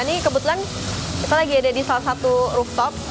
ini kebetulan kita lagi ada di salah satu rooftop